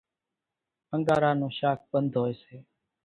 انڳارا نون شاک ٻنڌ هوئيَ سي۔